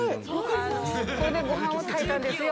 これで、ごはんを炊いたんですよ。